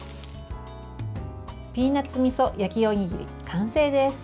ピーナツみそ焼きおにぎり完成です。